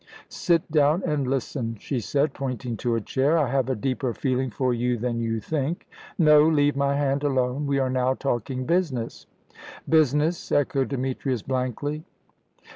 "Sit down and listen," she said, pointing to a chair. "I have a deeper feeling for you than you think. No; leave my hand alone. We are now talking business." "Business," echoed Demetrius, blankly.